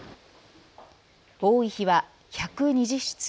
多い日は１２０室。